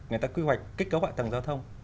người ta quy hoạch kết cấu hạ tầng giao thông